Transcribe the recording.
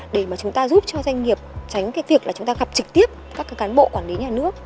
để mà chúng ta giúp cho doanh nghiệp tránh cái việc là chúng ta gặp trực tiếp các cán bộ quản lý nhà nước